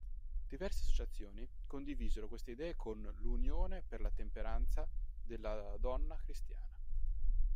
Diverse associazioni condivisero queste idee con l'"Unione per la temperanza della donna cristiana".